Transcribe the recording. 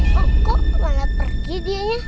kok kok kemana pergi dia ya